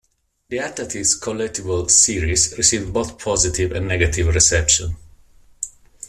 The Attacktix collectible series received both positive and negative reception.